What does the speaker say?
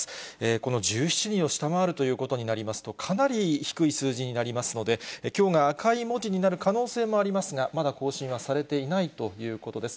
この１７人を下回るということになりますと、かなり低い数字になりますので、きょうが赤い文字になる可能性もありますが、まだ更新はされていないということです。